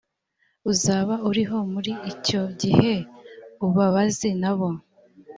uzaba uriho muri icyo gihe ubabaze na bo